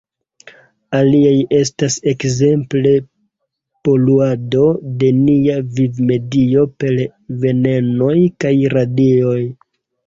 Aliaj estas ekzemple poluado de nia vivmedio per venenoj kaj radioj.